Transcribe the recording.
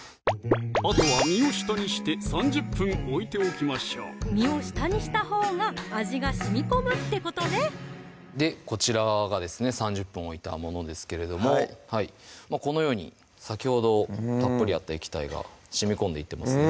あとは身を下にして３０分置いておきましょう身を下にしたほうが味がしみこむってことねこちらがですね３０分置いたものですけれどもこのように先ほどたっぷりあった液体がしみこんでいってますね